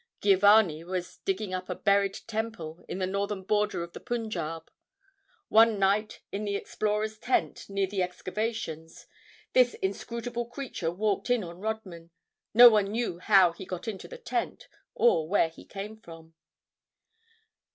Giovanni was digging up a buried temple on the northern border of the Punjab. One night, in the explorer's tent, near the excavations, this inscrutable creature walked in on Rodman. No one knew how he got into the tent or where he came from.